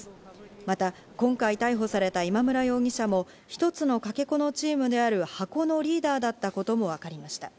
また、今回逮捕された今村容疑者も一つのかけ子のチームである箱のリーダーだったこともわかりました。